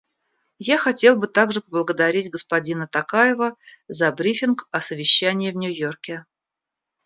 Я хотел бы также поблагодарить господина Токаева за брифинг о совещании в Нью-Йорке.